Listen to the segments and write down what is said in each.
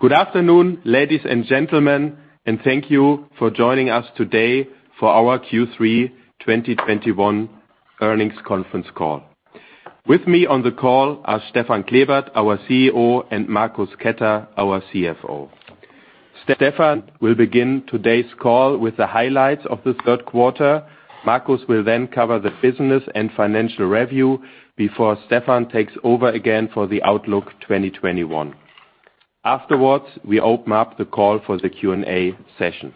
Good afternoon, ladies and gentlemen, and thank you for joining us today for our Q3 2021 earnings conference call. With me on the call are Stefan Klebert, our CEO, and Marcus Ketter, our CFO. Stefan will begin today's call with the highlights of this third quarter. Marcus will then cover the business and financial review before Stefan takes over again for the outlook 2021. Afterwards, we open up the call for the Q&A session.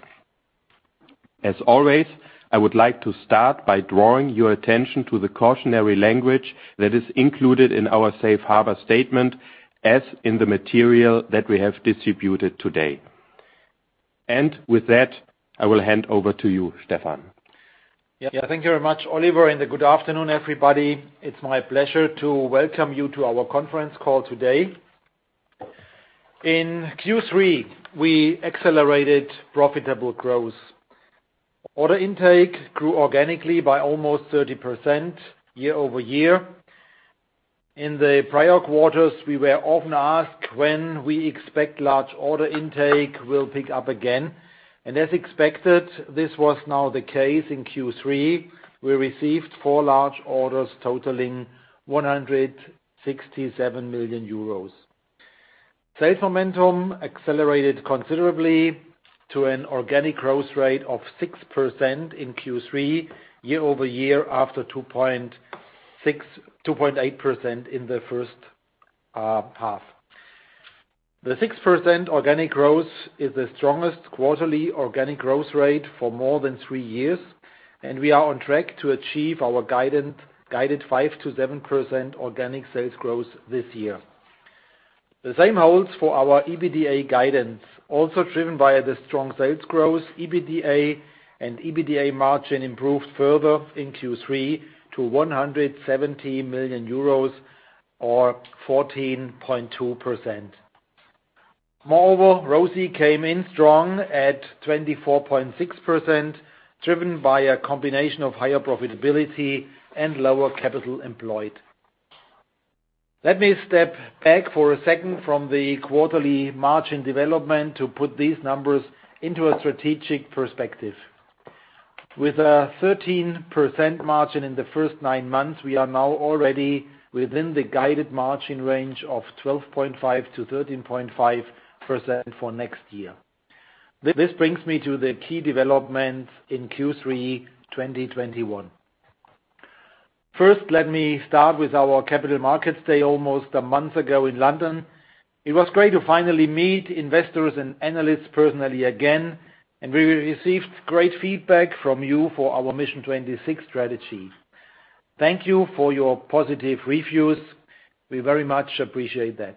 As always, I would like to start by drawing your attention to the cautionary language that is included in our safe harbor statement, as in the material that we have distributed today. With that, I will hand over to you, Stefan. Yeah, thank you very much, Oliver, and good afternoon, everybody. It's my pleasure to welcome you to our conference call today. In Q3, we accelerated profitable growth. Order intake grew organically by almost 30% year-over-year. In the prior quarters, we were often asked when we expect large order intake will pick up again, and as expected, this was now the case in Q3. We received four large orders totaling 167 million euros. Sales momentum accelerated considerably to an organic growth rate of 6% in Q3 year-over-year after 2.8% in the first half. The 6% organic growth is the strongest quarterly organic growth rate for more than three years, and we are on track to achieve our guided 5%-7% organic sales growth this year. The same holds for our EBITDA guidance, also driven by the strong sales growth. EBITDA and EBITDA margin improved further in Q3 to 170 million euros or 14.2%. Moreover, ROCE came in strong at 24.6%, driven by a combination of higher profitability and lower capital employed. Let me step back for a second from the quarterly margin development to put these numbers into a strategic perspective. With a 13% margin in the first nine months, we are now already within the guided margin range of 12.5%-13.5% for next year. This brings me to the key developments in Q3 2021. First, let me start with our Capital Markets Day almost a month ago in London. It was great to finally meet investors and analysts personally again, and we received great feedback from you for our Mission 26 strategy. Thank you for your positive reviews. We very much appreciate that.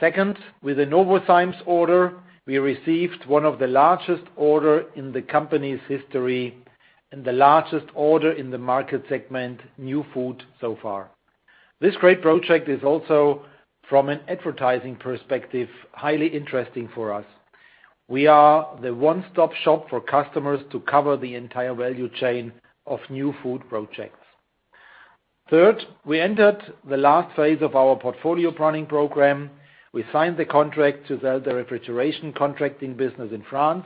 Second, with the Novozymes order, we received one of the largest order in the company's history and the largest order in the market segment, New Food so far. This great project is also, from an advertising perspective, highly interesting for us. We are the one-stop shop for customers to cover the entire value chain of New Food projects. Third, we entered the last phase of our portfolio planning program. We signed the contract to sell the refrigeration contracting business in France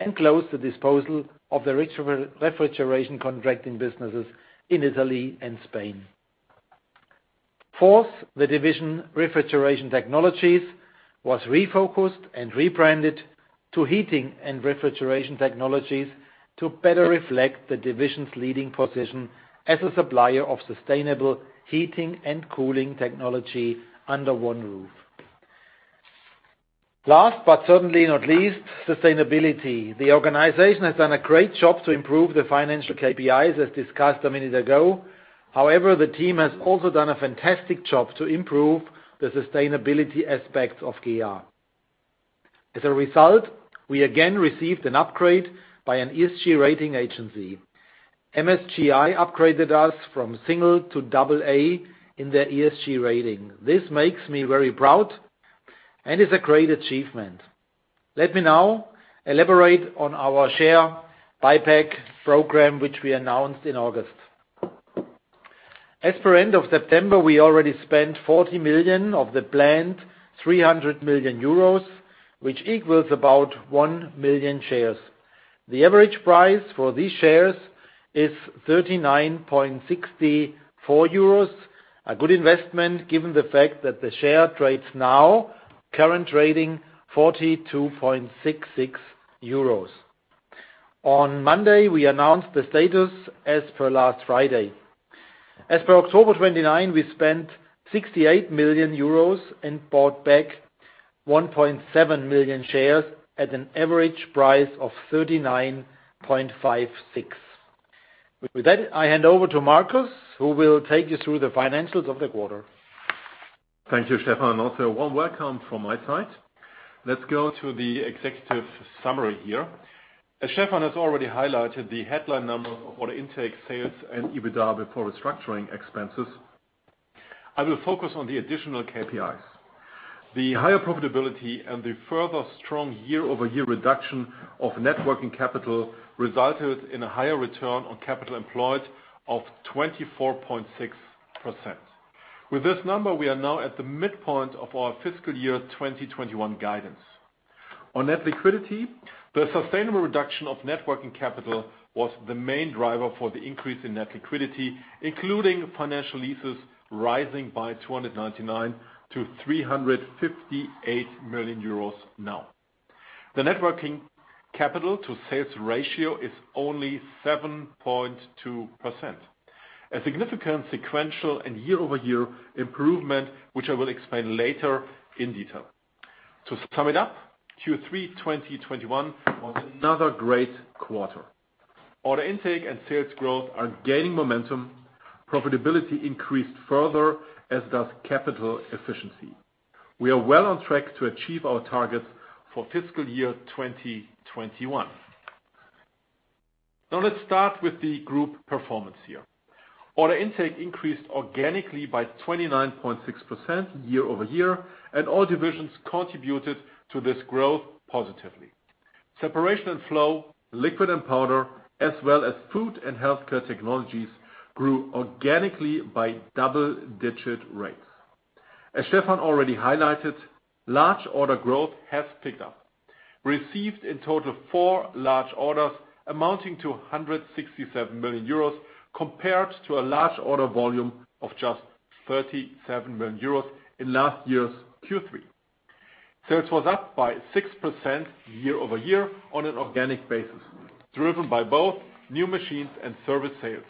and closed the disposal of the refrigeration contracting businesses in Italy and Spain. Fourth, the division Refrigeration Technologies was refocused and rebranded to Heating and Refrigeration Technologies to better reflect the division's leading position as a supplier of sustainable heating and cooling technology under one roof. Last, but certainly not least, sustainability. The organization has done a great job to improve the financial KPIs, as discussed a minute ago. However, the team has also done a fantastic job to improve the sustainability aspects of GEA. As a result, we again received an upgrade by an ESG rating agency. MSCI upgraded us from single to double A in their ESG rating. This makes me very proud and is a great achievement. Let me now elaborate on our share buyback program, which we announced in August. As per end of September, we already spent 40 million of the planned 300 million euros, which equals about 1 million shares. The average price for these shares is 39.64 euros. A good investment, given the fact that the share trades now. Current trading 42.66 euros. On Monday, we announced the status as per last Friday. As per October 29, we spent 68 million euros and bought back 1.7 million shares at an average price of 39.56. With that, I hand over to Marcus, who will take you through the financials of the quarter. Thank you, Stefan. Also warm welcome from my side. Let's go to the executive summary here. As Stefan has already highlighted the headline numbers of order intake, sales, and EBITDA before restructuring expenses, I will focus on the additional KPIs. The higher profitability and the further strong year-over-year reduction of net working capital resulted in a higher return on capital employed of 24.6%. With this number, we are now at the midpoint of our fiscal year 2021 guidance. On net liquidity, the sustainable reduction of net working capital was the main driver for the increase in net liquidity, including financial leases rising from 299 million-358 million euros now. The net working capital to sales ratio is only 7.2%. A significant sequential and year-over-year improvement, which I will explain later in detail. To sum it up, Q3 2021 was another great quarter. Order intake and sales growth are gaining momentum. Profitability increased further, as does capital efficiency. We are well on track to achieve our targets for fiscal year 2021. Now, let's start with the group performance here. Order intake increased organically by 29.6% year-over-year, and all divisions contributed to this growth positively. Separation and Flow, Liquid and Powder, as well as Food and Healthcare Technologies, grew organically by double-digit rates. As Stefan already highlighted, large order growth has picked up. We received in total four large orders amounting to 167 million euros compared to a large order volume of just 37 million euros in last year's Q3. Sales was up by 6% year-over-year on an organic basis, driven by both new machines and service sales.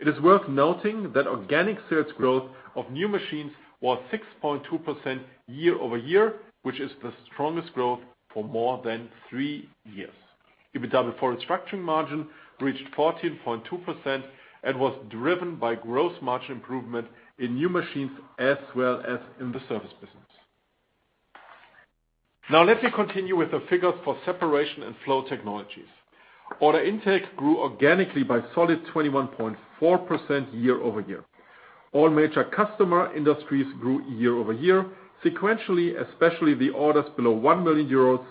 It is worth noting that organic sales growth of new machines was 6.2% year-over-year, which is the strongest growth for more than three years. EBITDA before restructuring margin reached 14.2% and was driven by gross margin improvement in new machines as well as in the service business. Now, let me continue with the figures for Separation and Flow Technologies. Order intake grew organically by a solid 21.4% year-over-year. All major customer industries grew year-over-year. Sequentially, especially the orders below 1 million euros,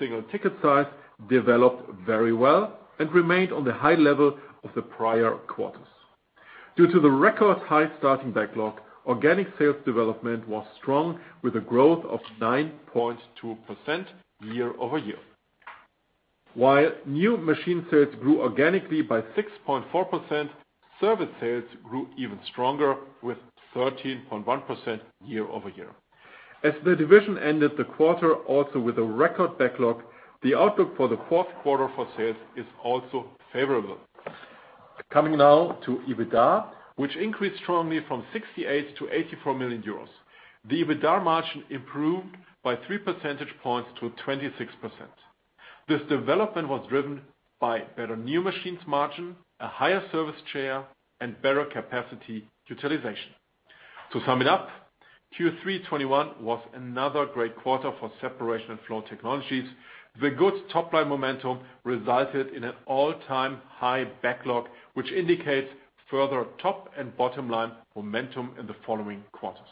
single ticket size developed very well and remained on the high level of the prior quarters. Due to the record-high starting backlog, organic sales development was strong with a growth of 9.2% year-over-year. While new machine sales grew organically by 6.4%, service sales grew even stronger with 13.1% year-over-year. As the division ended the quarter also with a record backlog, the outlook for the fourth quarter for sales is also favorable. Coming now to EBITDA, which increased strongly from 68 million-84 million euros. The EBITDA margin improved by 3% points to 26%. This development was driven by better new machines margin, a higher service share, and better capacity utilization. To sum it up, Q3 2021 was another great quarter for Separation and Flow Technologies. The good top-line momentum resulted in an all-time high backlog, which indicates further top and bottom-line momentum in the following quarters.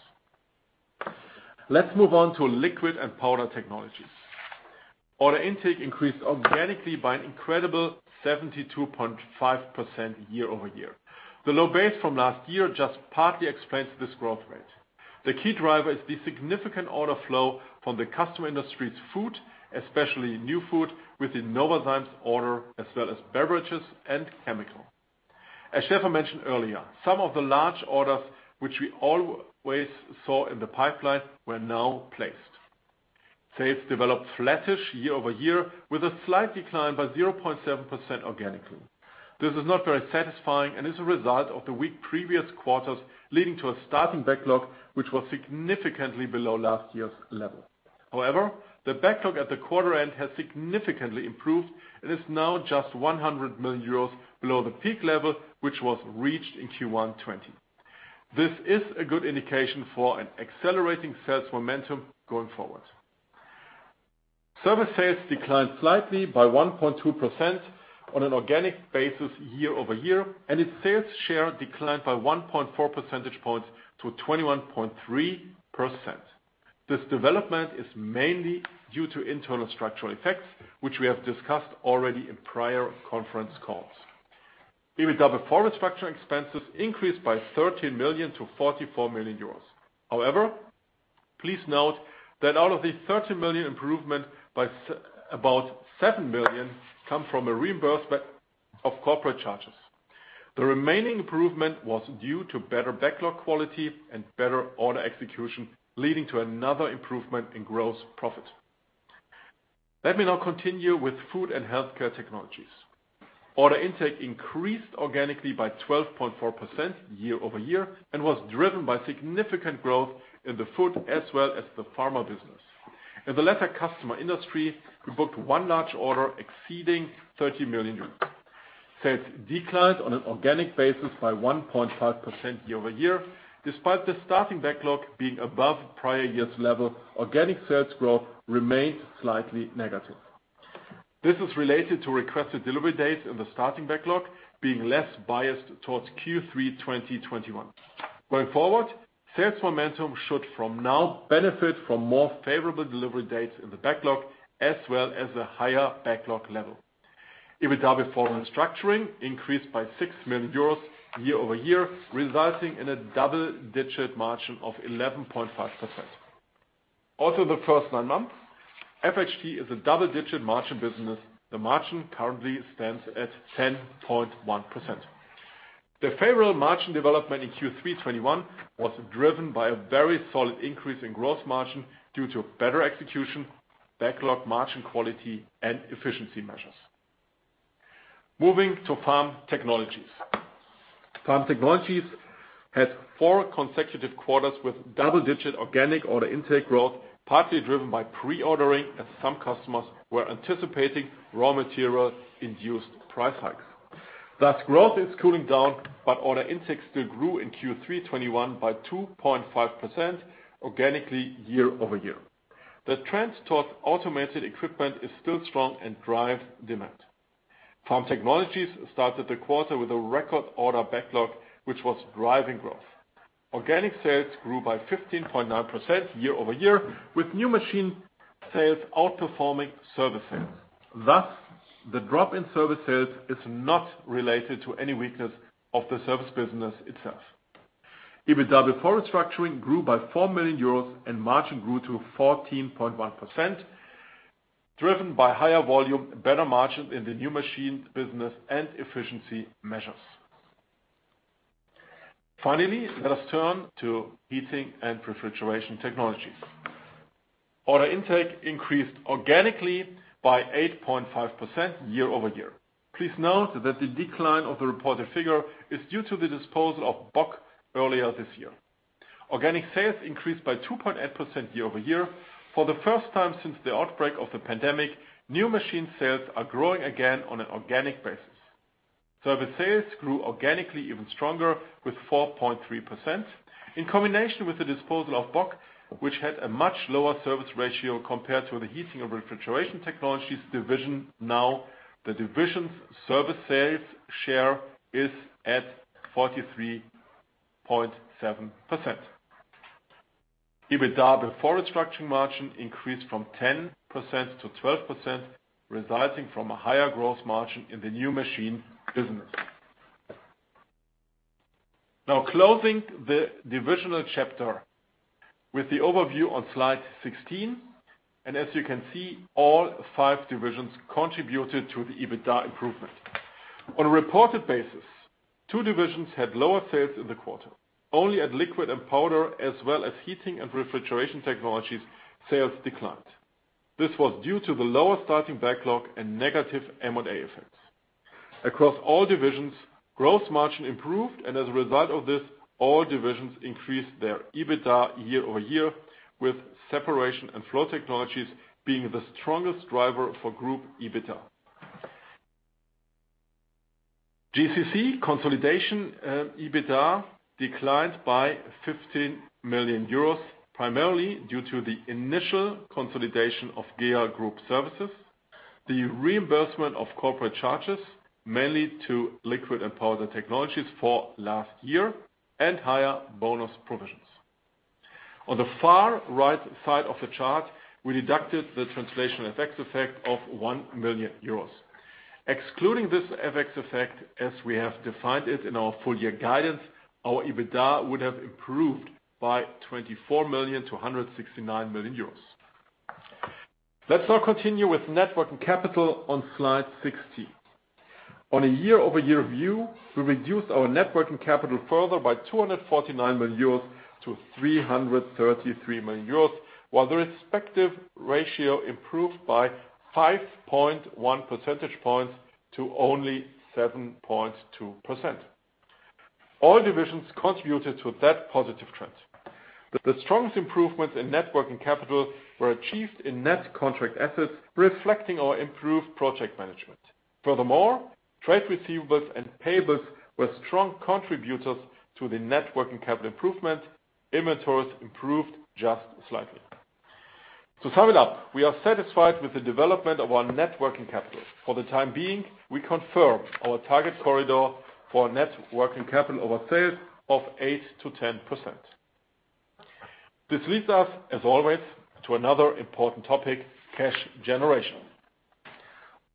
Let's move on to Liquid and Powder Technologies. Order intake increased organically by an incredible 72.5% year-over-year. The low base from last year just partly explains this growth rate. The key driver is the significant order flow from the customer industries food, especially New Food with the Novozymes order, as well as beverages and chemical. Stefan mentioned earlier, some of the large orders which we always saw in the pipeline were now placed. Sales developed flattish year-over-year with a slight decline by 0.7% organically. This is not very satisfying and is a result of the weak previous quarters leading to a starting backlog, which was significantly below last year's level. However, the backlog at the quarter end has significantly improved and is now just 100 million euros below the peak level, which was reached in Q1 2020. This is a good indication for an accelerating sales momentum going forward. Service sales declined slightly by 1.2% on an organic basis year-over-year, and its sales share declined by 1.4% points to 21.3%. This development is mainly due to internal structural effects, which we have discussed already in prior conference calls. EBITDA before restructuring expenses increased by 13 million-44 million euros. However, please note that out of the 30 million improvement about 7 million come from a reimbursement of corporate charges. The remaining improvement was due to better backlog quality and better order execution, leading to another improvement in gross profit. Let me now continue with Food and Healthcare Technologies. Order intake increased organically by 12.4% year-over-year and was driven by significant growth in the food as well as the pharma business. In the latter customer industry, we booked one large order exceeding 30 million. Sales declined on an organic basis by 1.5% year-over-year. Despite the starting backlog being above prior year's level, organic sales growth remained slightly negative. This is related to requested delivery dates in the starting backlog being less biased towards Q3 2021. Going forward, sales momentum should from now benefit from more favorable delivery dates in the backlog, as well as a higher backlog level. EBITDA before restructuring increased by 6 million euros year-over-year, resulting in a double-digit margin of 11.5%. Also the first nine months, FHT is a double-digit margin business. The margin currently stands at 10.1%. The favorable margin development in Q3 2021 was driven by a very solid increase in gross margin due to better execution, backlog margin quality, and efficiency measures. Moving to Farm Technologies. Farm Technologies had four consecutive quarters with double-digit organic order intake growth, partly driven by pre-ordering as some customers were anticipating raw material induced price hikes. Thus, growth is cooling down, but order intake still grew in Q3 2021 by 2.5% organically year-over-year. The trends towards automated equipment is still strong and drives demand. Farm Technologies started the quarter with a record order backlog, which was driving growth. Organic sales grew by 15.9% year-over-year, with new machine sales outperforming service sales. Thus, the drop in service sales is not related to any weakness of the service business itself. EBITDA before restructuring grew by 4 million euros and margin grew to 14.1%, driven by higher volume, better margin in the new machine business, and efficiency measures. Finally, let us turn to Heating and Refrigeration Technologies. Order intake increased organically by 8.5% year-over-year. Please note that the decline of the reported figure is due to the disposal of Bock earlier this year. Organic sales increased by 2.8% year-over-year. For the first time since the outbreak of the pandemic, new machine sales are growing again on an organic basis. Service sales grew organically even stronger with 4.3%. In combination with the disposal of Bock, which had a much lower service ratio compared to the Heating and Refrigeration Technologies division now, the division's service sales share is at 43.7%. EBITDA before restructuring margin increased from 10% to 12%, resulting from a higher gross margin in the new machine business. Now closing the divisional chapter with the overview on slide 16, and as you can see, all five divisions contributed to the EBITDA improvement. On a reported basis, two divisions had lower sales in the quarter. Only at Liquid and Powder Technologies, as well as Heating and Refrigeration Technologies, sales declined. This was due to the lower starting backlog and negative M&A effects. Across all divisions, gross margin improved, and as a result of this, all divisions increased their EBITDA year-over-year, with Separation and Flow Technologies being the strongest driver for group EBITDA. GCC consolidation, EBITDA declined by 15 million euros, primarily due to the initial consolidation of GEA Group Services, the reimbursement of corporate charges mainly to Liquid and Powder Technologies for last year, and higher bonus provisions. On the far right side of the chart, we deducted the translation FX effect of 1 million euros. Excluding this FX effect, as we have defined it in our full year guidance, our EBITDA would have improved by 24 million-169 million euros. Let's now continue with net working capital on slide 16. On a year-over-year view, we reduced our net working capital further by 249 million-333 million euros, while the respective ratio improved by 5.1% points to only 7.2%. All divisions contributed to that positive trend. The strongest improvements in net working capital were achieved in net contract assets reflecting our improved project management. Furthermore, trade receivables and payables were strong contributors to the net working capital improvement. Inventories improved just slightly. To sum it up, we are satisfied with the development of our net working capital. For the time being, we confirm our target corridor for net working capital over sales of 8%-10%. This leads us, as always, to another important topic, cash generation.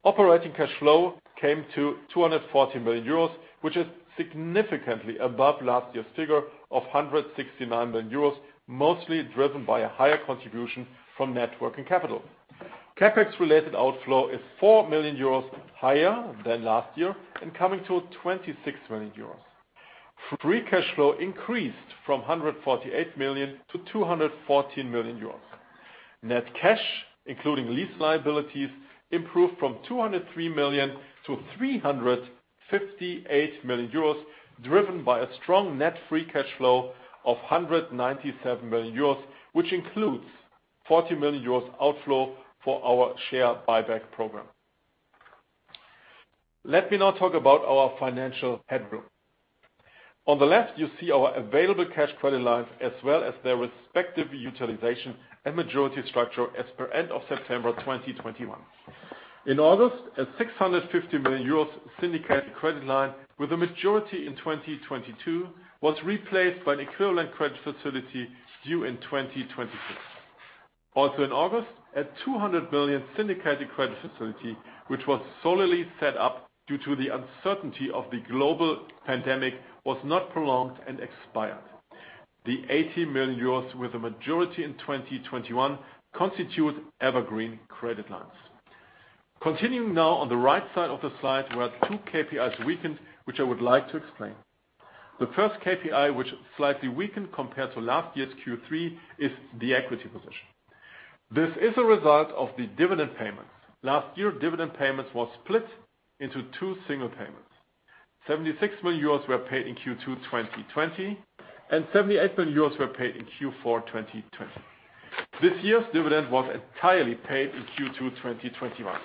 Operating cash flow came to 240 million euros, which is significantly above last year's figure of 169 million euros, mostly driven by a higher contribution from net working capital. CapEx-related outflow is 4 million euros higher than last year and coming to 26 million euros. Free cash flow increased from 148 million-214 million euros. Net cash, including lease liabilities, improved from 203 million-358 million euros, driven by a strong net free cash flow of 197 million euros, which includes 40 million euros outflow for our share buyback program. Let me now talk about our financial headroom. On the left, you see our available cash credit lines as well as their respective utilization and maturity structure as per end of September 2021. In August, a 650 million euros syndicated credit line with a maturity in 2022 was replaced by an equivalent credit facility due in 2026. Also in August, a 200 million syndicated credit facility, which was solely set up due to the uncertainty of the global pandemic, was not prolonged and expired. The 80 million euros with a maturity in 2021 constitute evergreen credit lines. Continuing now on the right side of the slide where two KPIs weakened, which I would like to explain. The first KPI, which slightly weakened compared to last year's Q3, is the equity position. This is a result of the dividend payments. Last year, dividend payments was split into two single payments. 76 million euros were paid in Q2 2020, and 78 million euros were paid in Q4 2020. This year's dividend was entirely paid in Q2 2021.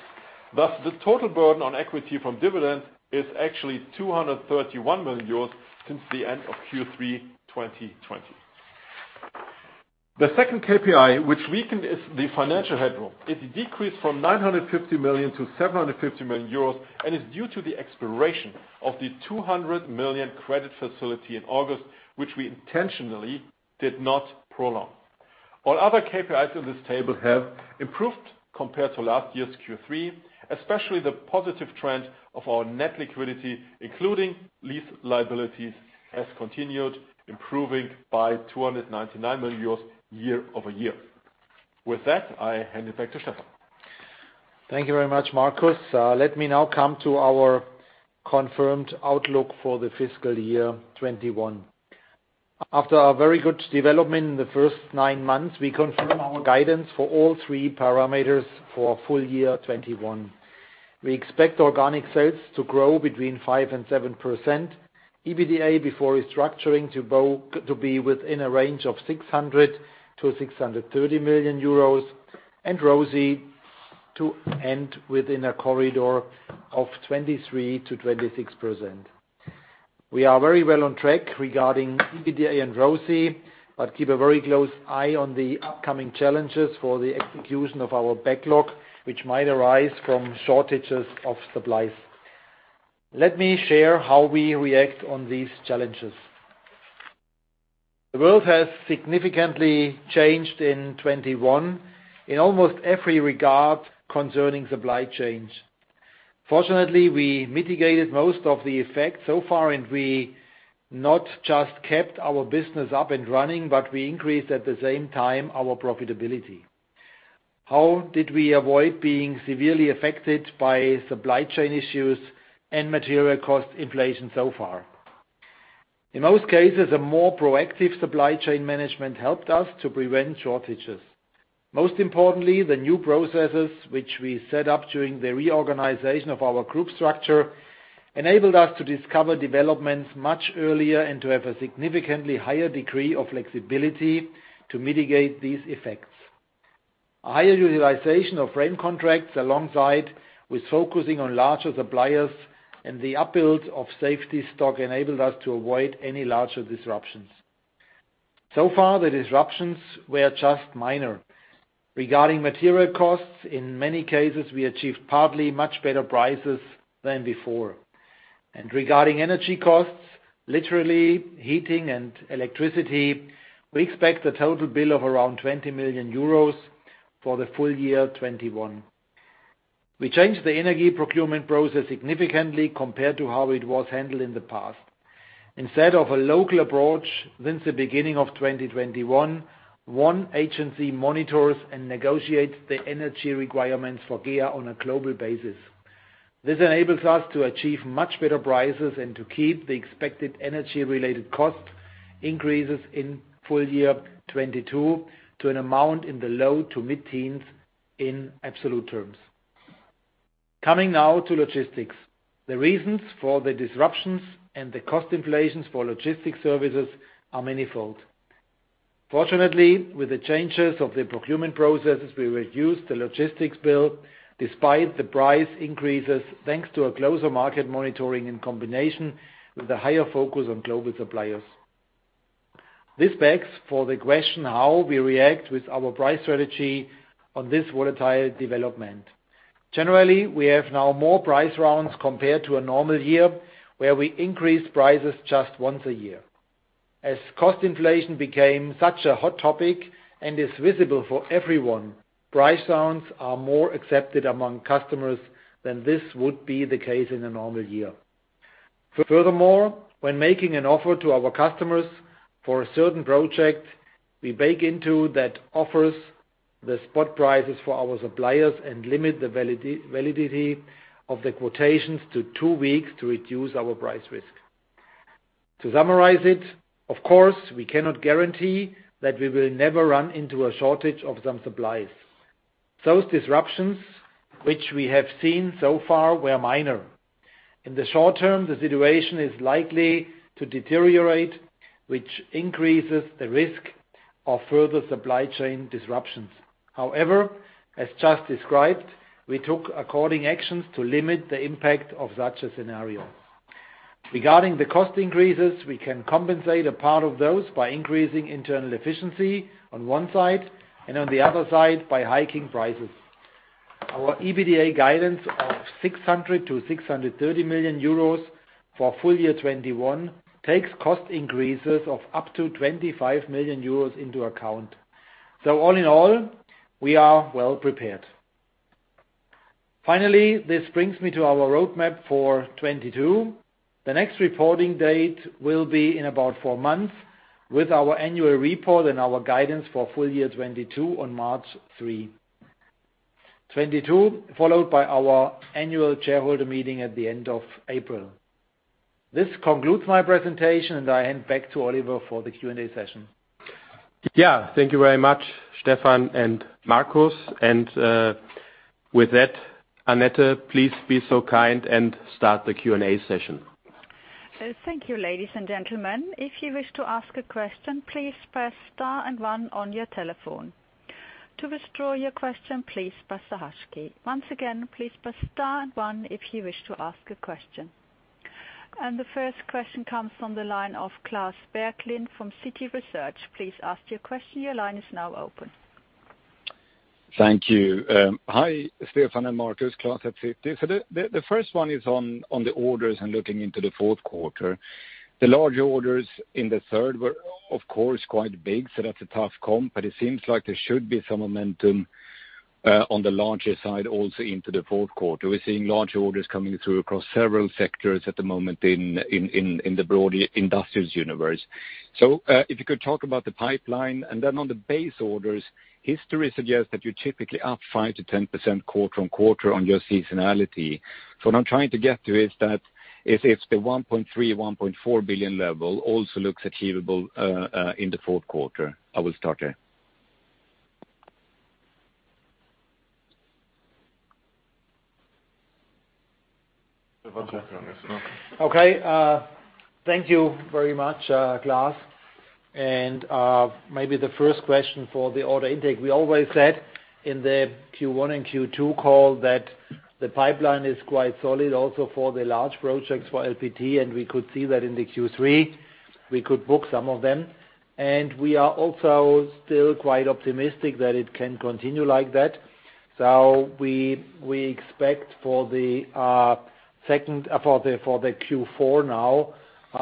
Thus, the total burden on equity from dividends is actually 231 million euros since the end of Q3 2020. The second KPI which weakened is the financial headroom. It decreased from 950 million-750 million euros and is due to the expiration of the 200 million credit facility in August, which we intentionally did not prolong. All other KPIs in this table have improved compared to last year's Q3, especially the positive trend of our net liquidity, including lease liabilities, has continued, improving by 299 million euros year-over-year. With that, I hand it back to Stefan. Thank you very much, Marcus. Let me now come to our confirmed outlook for the fiscal year 2021. After a very good development in the first nine months, we confirm our guidance for all three parameters for full year 2021. We expect organic sales to grow between 5%-7%. EBITDA before restructuring to be within a range of 600 million-630 million euros and ROCE to end within a corridor of 23%-26%. We are very well on track regarding EBITDA and ROCE, but keep a very close eye on the upcoming challenges for the execution of our backlog, which might arise from shortages of supplies. Let me share how we react on these challenges. The world has significantly changed in 2021 in almost every regard concerning supply chains. Fortunately, we mitigated most of the effect so far, and we not just kept our business up and running, but we increased at the same time our profitability. How did we avoid being severely affected by supply chain issues and material cost inflation so far? In most cases, a more proactive supply chain management helped us to prevent shortages. Most importantly, the new processes which we set up during the reorganization of our group structure enabled us to discover developments much earlier and to have a significantly higher degree of flexibility to mitigate these effects. A higher utilization of frame contracts alongside with focusing on larger suppliers and the build-up of safety stock enabled us to avoid any larger disruptions. So far, the disruptions were just minor. Regarding material costs, in many cases, we achieved partly much better prices than before. Regarding energy costs, literally heating and electricity, we expect a total bill of around 20 million euros for the full year 2021. We changed the energy procurement process significantly compared to how it was handled in the past. Instead of a local approach, since the beginning of 2021, one agency monitors and negotiates the energy requirements for GEA on a global basis. This enables us to achieve much better prices and to keep the expected energy-related cost increases in full year 2022 to an amount in the low- to mid-teens% in absolute terms. Coming now to logistics. The reasons for the disruptions and the cost inflations for logistics services are manifold. Fortunately, with the changes of the procurement processes, we reduced the logistics bill despite the price increases, thanks to a closer market monitoring in combination with a higher focus on global suppliers. This begs for the question how we react with our price strategy on this volatile development. Generally, we have now more price rounds compared to a normal year where we increase prices just once a year. As cost inflation became such a hot topic and is visible for everyone, price rounds are more accepted among customers than this would be the case in a normal year. Furthermore, when making an offer to our customers for a certain project, we bake into that offers the spot prices for our suppliers and limit the validity of the quotations to two weeks to reduce our price risk. To summarize it, of course, we cannot guarantee that we will never run into a shortage of some supplies. Those disruptions which we have seen so far were minor. In the short term, the situation is likely to deteriorate, which increases the risk of further supply chain disruptions. However, as just described, we took according actions to limit the impact of such a scenario. Regarding the cost increases, we can compensate a part of those by increasing internal efficiency on one side, and on the other side, by hiking prices. Our EBITDA guidance of 600 million-630 million euros for full year 2021 takes cost increases of up to 25 million euros into account. All in all, we are well prepared. Finally, this brings me to our roadmap for 2022. The next reporting date will be in about four months with our annual report and our guidance for full year 2022 on March 3, 2022, followed by our annual shareholder meeting at the end of April. This concludes my presentation, and I hand back to Oliver for the Q&A session. Yeah. Thank you very much, Stefan and Marcus. With that, Annette, please be so kind and start the Q&A session. Thank you, ladies and gentlemen. If you wish to ask a question, please press star and one on your telephone. To withdraw your question, please press the hash key. Once again, please press star and one if you wish to ask a question. The first question comes from the line of Klas Bergelind from Citi Research. Please ask your question. Your line is now open. Thank you. Hi, Stefan and Marcus. Klas at Citi. The first one is on the orders and looking into the fourth quarter. The larger orders in the third were of course quite big, so that's a tough comp, but it seems like there should be some momentum on the larger side also into the fourth quarter. We're seeing larger orders coming through across several sectors at the moment in the broader industrials universe. If you could talk about the pipeline, and then on the base orders, history suggests that you're typically up 5%-10% quarter-on-quarter on your seasonality. What I'm trying to get to is that if the 1.3 billion-1.4 billion level also looks achievable in the fourth quarter. I will start there. Okay. Thank you very much, Klas. Maybe the first question for the order intake. We always said in the Q1 and Q2 call that the pipeline is quite solid also for the large projects for LPT, and we could see that in the Q3. We could book some of them. We are also still quite optimistic that it can continue like that. We expect for the Q4 now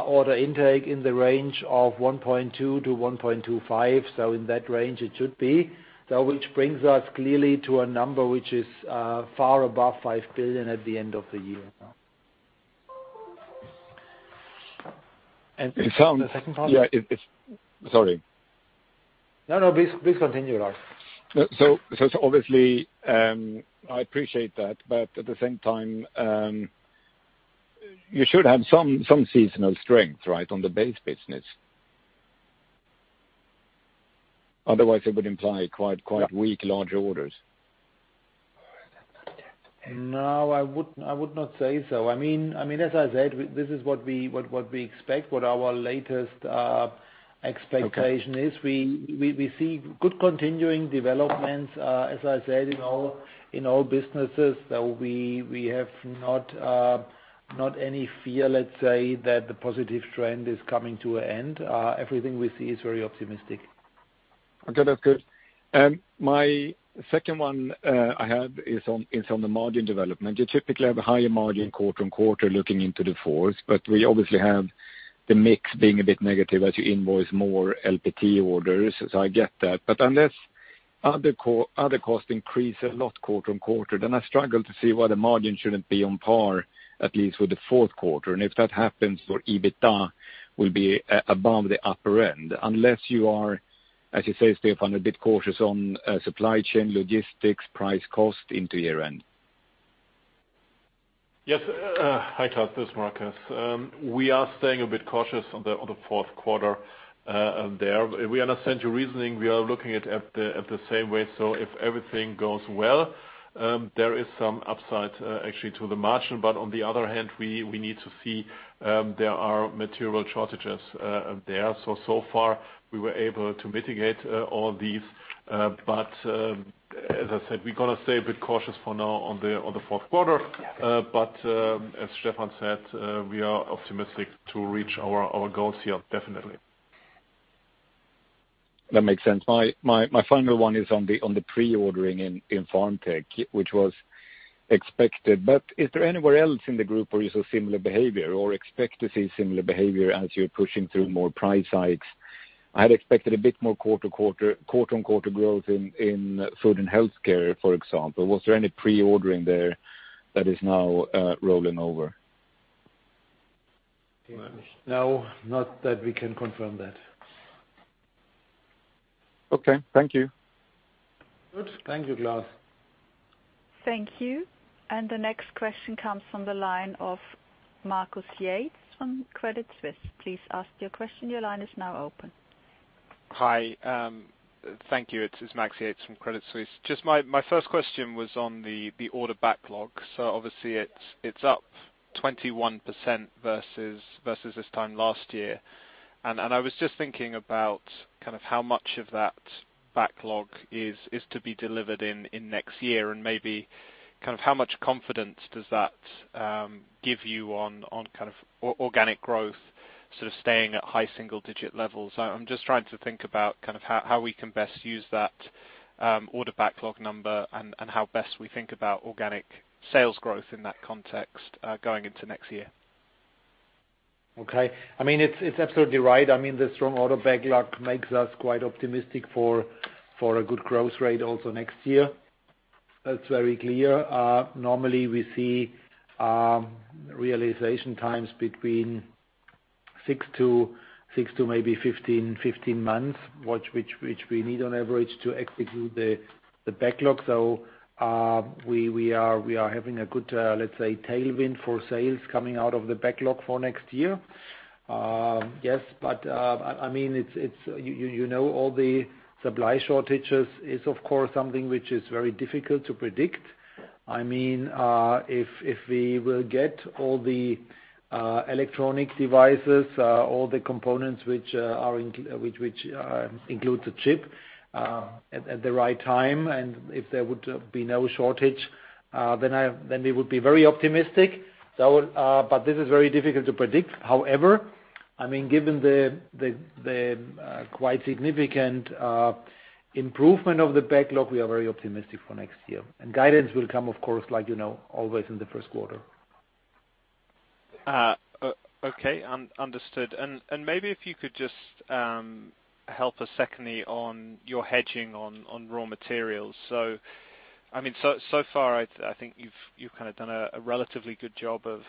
order intake in the range of 1.2 billion-1.25 billion. In that range it should be. Which brings us clearly to a number which is far above 5 billion at the end of the year. The second part? Yeah, sorry. No. Please continue, Klas. Obviously, I appreciate that. At the same time, you should have some seasonal strength, right, on the base business. Otherwise it would imply quite weak large orders. No, I would not say so. I mean, as I said, this is what we expect, what our latest expectation is. Okay. We see good continuing developments, as I said in all businesses. We have not any fear, let's say, that the positive trend is coming to an end. Everything we see is very optimistic. Okay, that's good. My second one I have is on the margin development. You typically have a higher margin quarter-on-quarter looking into the fourth, but we obviously have the mix being a bit negative as you invoice more LPT orders. I get that. Unless other costs increase a lot quarter-on-quarter, then I struggle to see why the margin shouldn't be on par at least with the fourth quarter. If that happens, your EBITDA will be above the upper end. Unless you are, as you say, Stefan, a bit cautious on supply chain, logistics, price cost into year-end. Yes. Hi Klas, this is Marcus. We are staying a bit cautious on the fourth quarter. We understand your reasoning. We are looking at it the same way. If everything goes well, there is some upside, actually, to the margin. On the other hand, we need to see. There are material shortages. So far we were able to mitigate all these, but as I said, we're gonna stay a bit cautious for now on the fourth quarter. As Stefan said, we are optimistic to reach our goals here, definitely. That makes sense. My final one is on the pre-ordering in PharmTech, which was expected. Is there anywhere else in the group where you saw similar behavior or expect to see similar behavior as you're pushing through more price hikes? I had expected a bit more quarter-on-quarter growth in Food and Healthcare, for example. Was there any pre-ordering there that is now rolling over? No, not that we can confirm that. Okay. Thank you. Good. Thank you, Klas. Thank you. The next question comes from the line of Max Yates from Credit Suisse. Please ask your question. Your line is now open. Hi. Thank you. It's Max Yates from Credit Suisse. Just my first question was on the order backlog. Obviously it's up 21% versus this time last year. I was just thinking about kind of how much of that backlog is to be delivered in next year and maybe kind of how much confidence does that give you on kind of organic growth sort of staying at high single digit levels. I'm just trying to think about kind of how we can best use that order backlog number and how best we think about organic sales growth in that context going into next year. Okay. I mean, it's absolutely right. I mean, the strong order backlog makes us quite optimistic for a good growth rate also next year. That's very clear. Normally we see realization times between six to maybe 15 months, which we need on average to execute the backlog. So, we are having a good, let's say, tailwind for sales coming out of the backlog for next year. Yes, but I mean, you know all the supply shortages is of course something which is very difficult to predict. I mean, if we will get all the electronic devices, all the components which includes the chip, at the right time, and if there would be no shortage, then we would be very optimistic. This is very difficult to predict. However, I mean, given the quite significant improvement of the backlog, we are very optimistic for next year. Guidance will come, of course, like, you know, always in the first quarter. Okay, understood. Maybe if you could just help us secondly on your hedging on raw materials. I mean, so far, I think you've kind of done a relatively good job of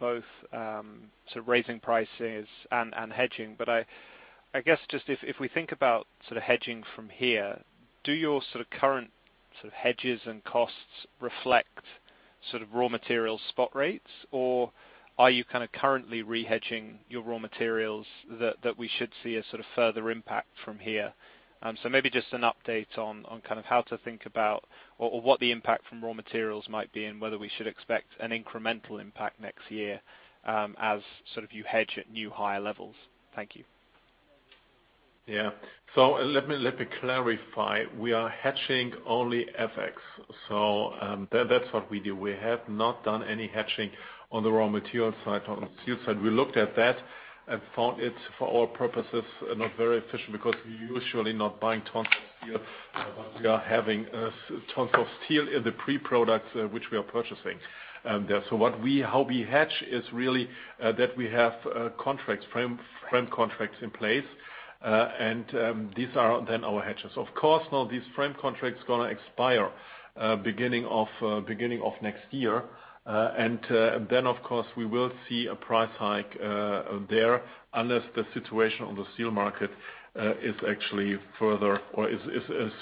both sort of raising prices and hedging. But I guess just if we think about sort of hedging from here, do your sort of current sort of hedges and costs reflect sort of raw material spot rates? Or are you kind of currently re-hedging your raw materials that we should see a sort of further impact from here? Maybe just an update on kind of how to think about or what the impact from raw materials might be and whether we should expect an incremental impact next year, as sort of you hedge at new higher levels. Thank you. Let me clarify. We are hedging only FX. That's what we do. We have not done any hedging on the raw material side or on the steel side. We looked at that and found it for all purposes not very efficient because we're usually not buying tons of steel. We are having tons of steel in the pre-products which we are purchasing there. How we hedge is really that we have contracts, frame contracts in place. And these are then our hedges. Of course, now these frame contracts gonna expire beginning of next year. And then, of course, we will see a price hike there unless the situation on the steel market is actually further or is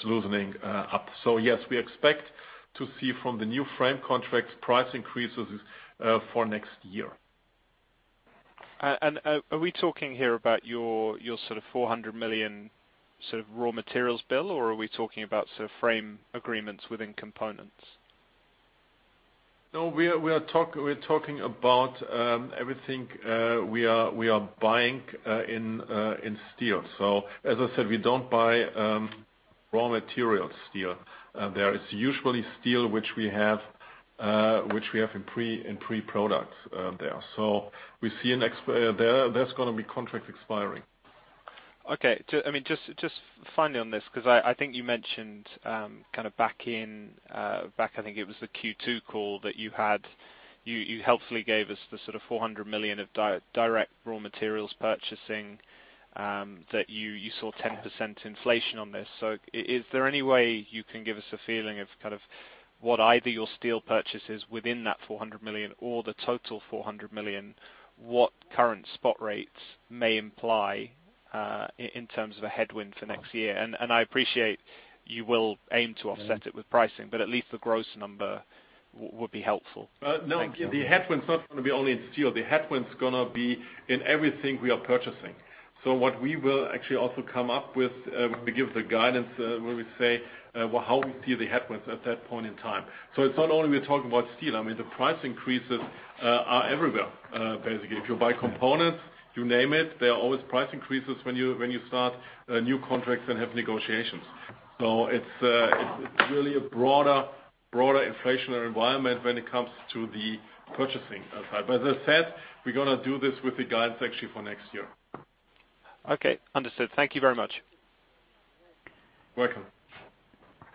loosening up. Yes, we expect to see from the new frame contracts price increases for next year. Are we talking here about your sort of 400 million sort of raw materials bill, or are we talking about sort of framework agreements within components? No, we are talking about everything we are buying in steel. As I said, we don't buy raw material steel. There is usually steel which we have in pre-products there. We see there's gonna be contracts expiring. Okay. I mean, just finally on this, 'cause I think you mentioned kind of back in, back I think it was the Q2 call that you helpfully gave us the sort of 400 million of direct raw materials purchasing that you saw 10% inflation on this. Is there any way you can give us a feeling of kind of what either your steel purchases within that 400 million or the total 400 million, what current spot rates may imply in terms of a headwind for next year? I appreciate you will aim to offset it with pricing, but at least the gross number would be helpful. Thank you. No, the headwind is not gonna be only in steel. The headwind is gonna be in everything we are purchasing. What we will actually also come up with, when we give the guidance, where we say, how we see the headwinds at that point in time. It's not only we're talking about steel. I mean, the price increases are everywhere, basically. If you buy components, you name it, there are always price increases when you start new contracts and have negotiations. It's really a broader inflationary environment when it comes to the purchasing side. As I said, we're gonna do this with the guidance actually for next year. Okay. Understood. Thank you very much. Welcome.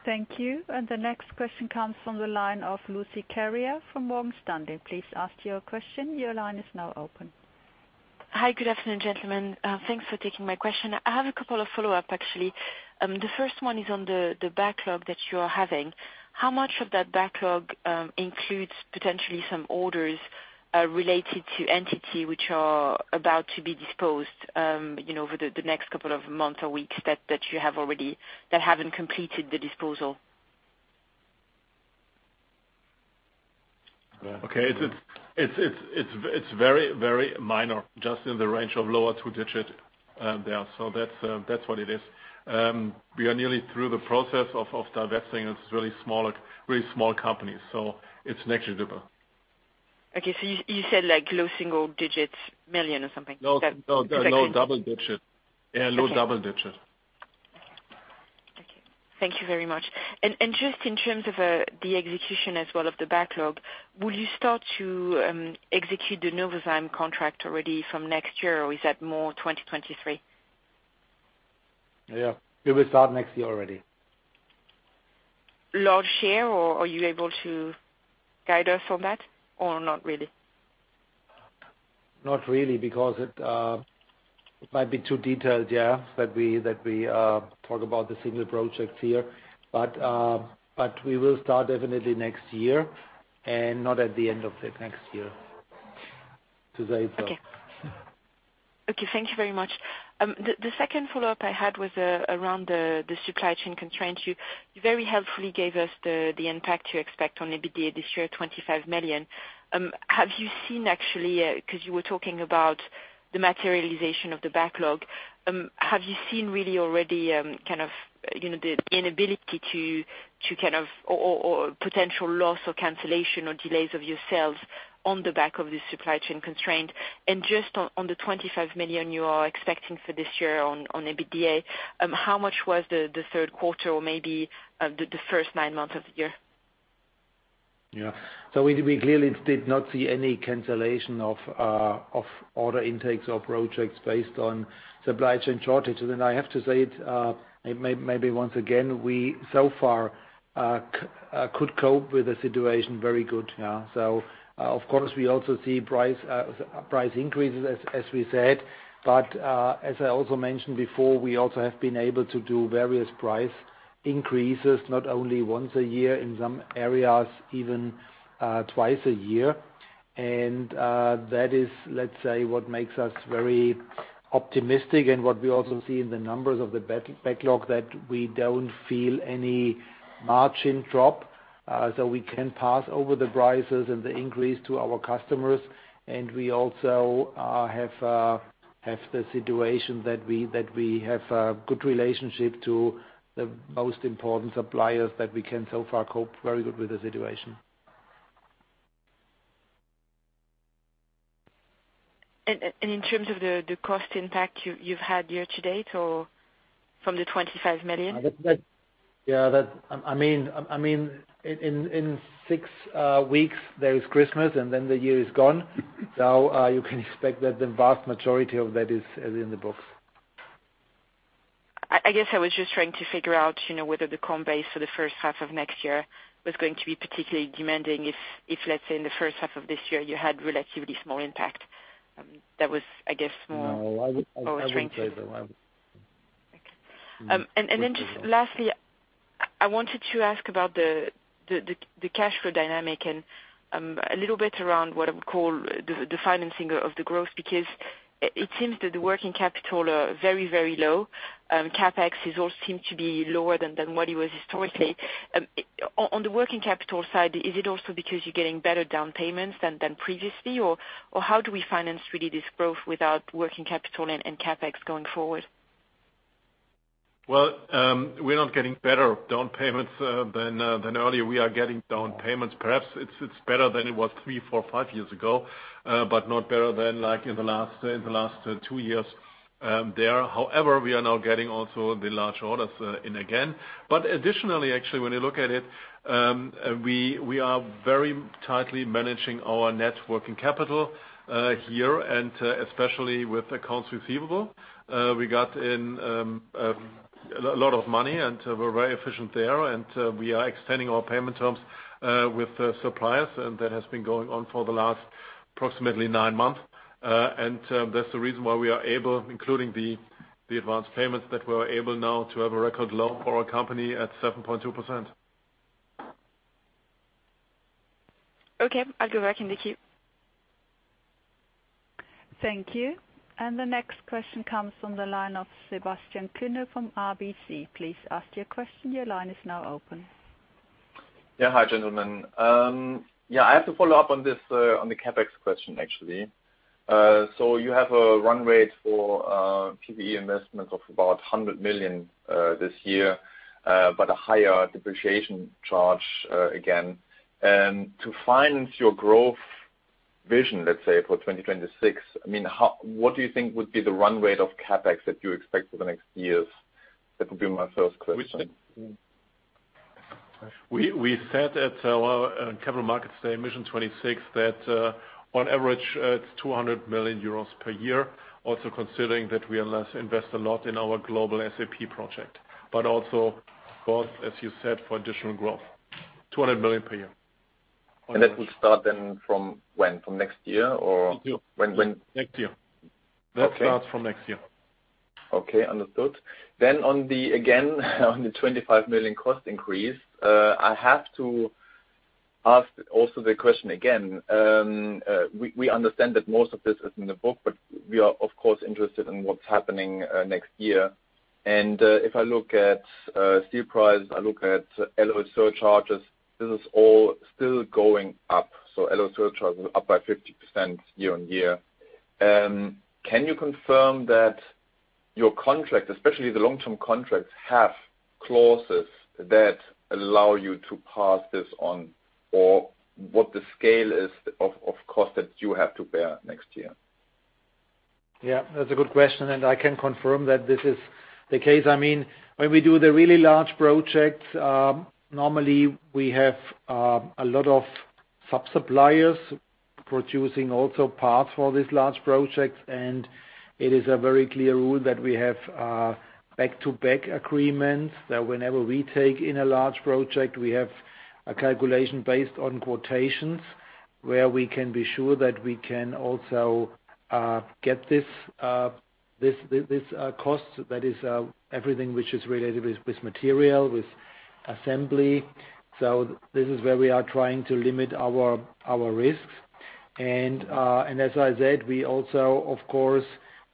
Thank you. The next question comes from the line of Lucie Carrier from Morgan Stanley. Please ask your question. Your line is now open. Hi. Good afternoon, gentlemen. Thanks for taking my question. I have a couple of follow-up, actually. The first one is on the backlog that you are having. How much of that backlog includes potentially some orders related to entity which are about to be disposed, you know, over the next couple of months or weeks that haven't completed the disposal? Okay. It's very minor, just in the range of lower two-digit there. So that's what it is. We are nearly through the process of divesting. It's really small companies. So it's negligible. Okay. You said like low single-digit millions or something. Is that- No, no, low double digits. Okay. Yeah, low double digits. Okay. Thank you. Thank you very much. Just in terms of the execution as well of the backlog, will you start to execute the Novozymes contract already from next year, or is that more 2023? Yeah. We will start next year already. Large share, or are you able to guide us on that, or not really? Not really, because it might be too detailed, yeah, that we talk about the single projects here. We will start definitely next year and not at the end of the next year to say so. Okay, thank you very much. The second follow-up I had was around the supply chain constraint. You very helpfully gave us the impact you expect on EBITDA this year, 25 million. Have you seen actually, 'cause you were talking about the materialization of the backlog, have you seen really already, kind of, you know, the inability to kind of, or potential loss or cancellation or delays of your sales on the back of the supply chain constraint? Just on the 25 million you are expecting for this year on EBITDA, how much was the third quarter or maybe the first nine months of the year? We clearly did not see any cancellation of order intakes or projects based on supply chain shortage. I have to say it, maybe once again, we so far could cope with the situation very good. Of course, we also see price increases as we said. As I also mentioned before, we also have been able to do various price increases, not only once a year, in some areas even twice a year. That is, let's say, what makes us very optimistic and what we also see in the numbers of the backlog that we don't feel any margin drop, so we can pass over the prices and the increase to our customers. We also have the situation that we have a good relationship to the most important suppliers that we can so far cope very good with the situation. In terms of the cost impact you've had year to date or from the 25 million? Yeah. That, I mean, in six weeks there is Christmas, and then the year is gone. So, you can expect that the vast majority of that is in the books. I guess I was just trying to figure out, you know, whether the comp base for the first half of next year was going to be particularly demanding if, let's say, in the first half of this year you had relatively small impact. That was, I guess, more- No, I wouldn't say that. I would- Just lastly, I wanted to ask about the cash flow dynamic and a little bit around what I would call the financing of the growth. Because it seems that the working capital are very, very low. CapEx all seem to be lower than what it was historically. On the working capital side, is it also because you are getting better down payments than previously, or how do we finance really this growth without working capital and CapEx going forward? Well, we're not getting better down payments than earlier. We are getting down payments. Perhaps it's better than it was three, four, five years ago, but not better than like in the last two years there. However, we are now getting also the large orders in again. Additionally, actually, when you look at it, we are very tightly managing our net working capital here and especially with accounts receivable. We got in a lot of money, and we're very efficient there, and we are extending our payment terms with the suppliers, and that has been going on for the last approximately nine months. That's the reason why we are able, including the advanced payments, that we're able now to have a record low for our company at 7.2%. Okay. I'll go back in the queue. Thank you. The next question comes from the line of Sebastian Kuenne from RBC. Please ask your question. Your line is now open. Yeah. Hi, gentlemen. I have to follow up on this, on the CapEx question, actually. You have a run rate for PP&E investment of about 100 million this year, but a higher depreciation charge, again. To finance your growth vision, let's say, for 2026, I mean, how, what do you think would be the run rate of CapEx that you expect for the next years? That would be my first question. We said. Uh- We said at our Capital Markets Day Mission 26 that on average it's 200 million euros per year, also considering that we invest a lot in our global SAP project, but also, of course, as you said, for additional growth, 200 million per year. That will start then from when? From next year, or- Next year. When, when- Next year. Okay. That starts from next year. Okay. Understood. On the again on the 25 million cost increase, I have to ask also the question again. We understand that most of this is in the book, but we are of course interested in what's happening next year. If I look at steel prices, I look at alloy surcharges, this is all still going up. Alloy surcharges up by 50% year-over-year. Can you confirm that your contract, especially the long-term contracts, have clauses that allow you to pass this on or what the scale is of cost that you have to bear next year? Yeah, that's a good question, and I can confirm that this is the case. I mean, when we do the really large projects, normally we have a lot of sub-suppliers producing also parts for these large projects. It is a very clear rule that we have back-to-back agreements that whenever we take in a large project, we have a calculation based on quotations where we can be sure that we can also get this cost. That is everything which is related with material, with assembly. This is where we are trying to limit our risks. as I said, we also, of course,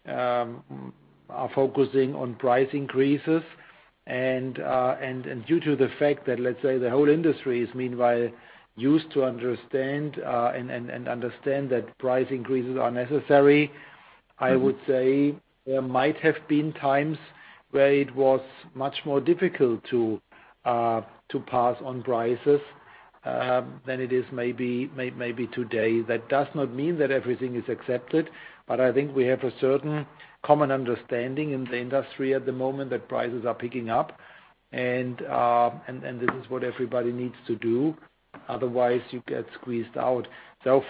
are focusing on price increases and due to the fact that, let's say, the whole industry is meanwhile used to understand that price increases are necessary. I would say there might have been times where it was much more difficult to pass on prices than it is maybe today. That does not mean that everything is accepted, but I think we have a certain common understanding in the industry at the moment that prices are picking up and this is what everybody needs to do. Otherwise you get squeezed out.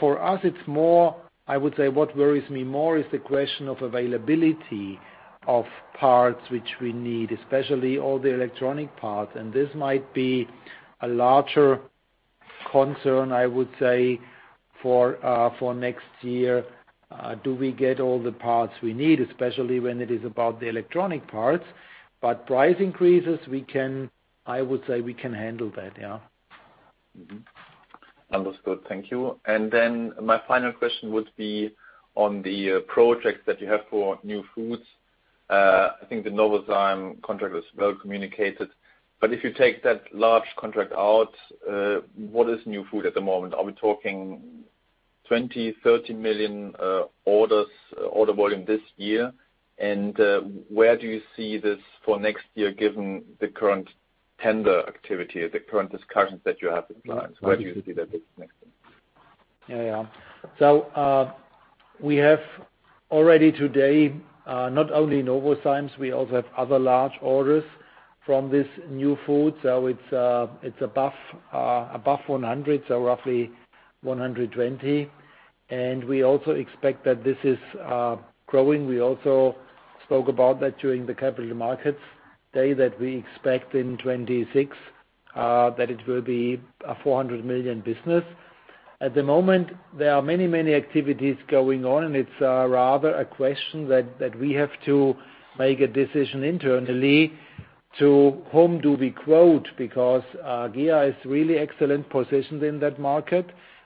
For us it's more, I would say what worries me more is the question of availability of parts which we need, especially all the electronic parts. This might be a larger concern, I would say, for next year. Do we get all the parts we need, especially when it is about the electronic parts? Price increases, we can handle that, I would say, yeah.. Understood. Thank you. My final question would be on the projects that you have for New Food. I think the Novozymes contract was well communicated. If you take that large contract out, what is New Food at the moment? Are we talking 20 million, 30 million orders, order volume this year? Where do you see this for next year, given the current tender activity or the current discussions that you have with clients? Where do you see that this next year? Yeah. We have already today, not only Novozymes, we also have other large orders from this New Food. It's above 100, so roughly 120. We also expect that this is growing. We also spoke about that during the capital markets day, that we expect in 2026 that it will be a 400 million business. At the moment, there are many, many activities going on, and it's rather a question that we have to make a decision internally to whom do we quote because GEA is really excellent positioned in that market.